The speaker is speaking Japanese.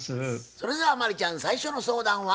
それでは真理ちゃん最初の相談は？